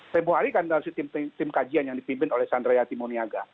februari kan dari tim kajian yang dipimpin oleh sandra yati muniaga